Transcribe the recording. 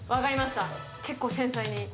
結構繊細に。